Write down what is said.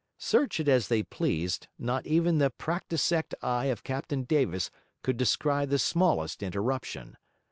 Search it as they pleased, not even the practisect eye of Captain Davis could descry the smallest interruption.